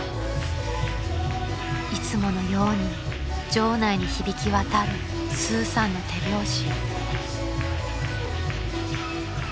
［いつものように場内に響き渡るスーさんの手拍子］